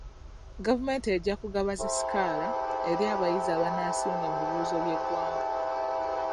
Gavumenti ejja kugaba zi sikaala eri abayizi abanaasinga mu bibuuzo by'eggwanga.